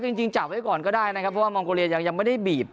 จริงจับไว้ก่อนก็ได้นะครับเพราะว่ามองโกเลียยังไม่ได้บีบ